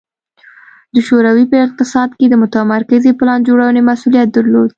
د شوروي په اقتصاد کې د متمرکزې پلان جوړونې مسوولیت درلود